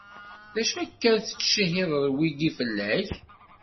D acu akka i d-ttcehhiden wigi fell-ak?